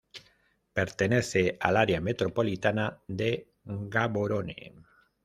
Pertenece al área metropolitana de Gaborone.